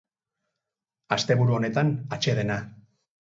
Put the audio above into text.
Asteburu honetan, atsedena.